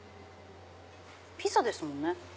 ピザですもんね！